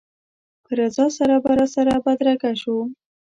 په رضا سره به راسره بدرګه شو.